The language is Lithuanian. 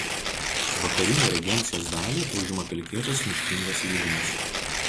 Vakarinę regencijos dalį užima pelkėtos miškingos lygumos.